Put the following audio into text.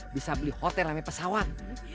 bisa beli hotel namanya pesawat